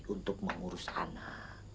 untuk mengurus anak